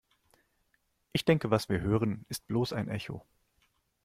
Ich denke, was wir hören, ist bloß ein Echo.